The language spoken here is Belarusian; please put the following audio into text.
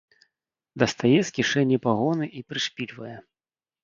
Дастае з кішэні пагоны і прышпільвае.